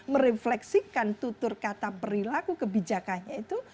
merefleksikan tutur kata perilaku kebijakannya itu